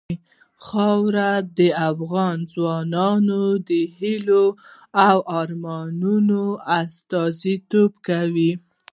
خاوره د افغان ځوانانو د هیلو او ارمانونو استازیتوب کوي.